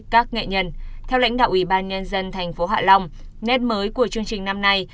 các nghệ nhân theo lãnh đạo ủy ban nhân dân thành phố hạ long nét mới của chương trình năm nay